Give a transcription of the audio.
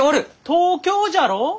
東京じゃろ？